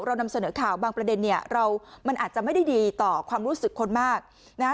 เรานำเสนอข่าวบางประเด็นเนี่ยเรามันอาจจะไม่ได้ดีต่อความรู้สึกคนมากนะฮะ